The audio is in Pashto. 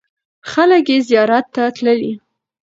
خلک یې زیارت ته تللي.